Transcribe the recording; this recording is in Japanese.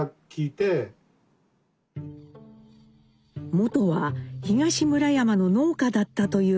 もとは東村山の農家だったという角田家。